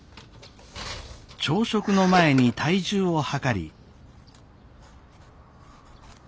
朝食の前に体重を量り。